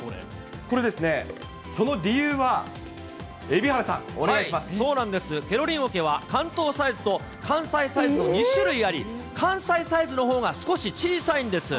これですね、その理由は、そうなんです、ケロリンおけは、関東サイズと関西サイズの２種類あり、関西サイズのほうが少し小さいんです。